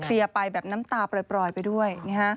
เคลียร์ไปแบบน้ำตาปล่อยไปด้วย